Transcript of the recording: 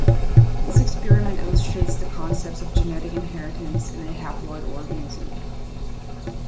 This experiment illustrates the concepts of genetic inheritance in a haploid organism.